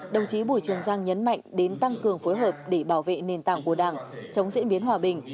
đồng chí bùi trường giang nhấn mạnh đến tăng cường phối hợp để bảo vệ nền tảng của đảng chống diễn biến hòa bình